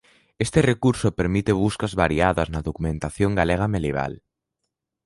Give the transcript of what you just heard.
Este recurso permite buscas variadas na documentación galega medieval.